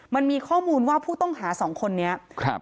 มันมีข้อมูลว่าผู้ต้องหาสองคนนี้ครับ